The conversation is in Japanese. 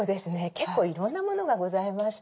結構いろんなものがございまして。